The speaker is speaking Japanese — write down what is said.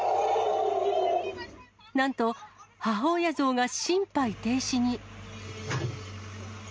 なんと、母親ゾウが心肺停止に。